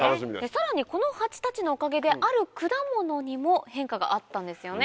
さらにこの蜂たちのおかげである果物にも変化があったんですよね？